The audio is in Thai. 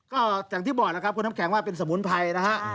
ก็อย่างที่บ่อยนะครับคุณแฮมแข็งว่าเป็นสมุนไพรนะฮะ